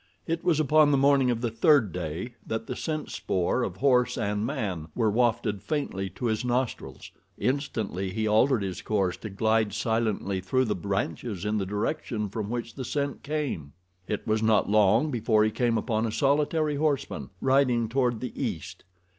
It was upon the morning of the third day that the scent spoor of horse and man were wafted faintly to his nostrils. Instantly he altered his course to glide silently through the branches in the direction from which the scent came. It was not long before he came upon a solitary horseman riding toward the east.